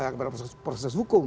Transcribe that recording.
kepada proses hukum